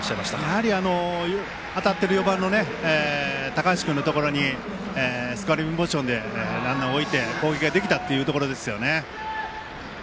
やはり当たっている４番の高橋君のところにスコアリングポジションでランナー置いて、攻撃ができたというところですよね。